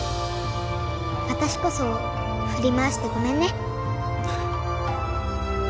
わたしこそふり回してごめんね。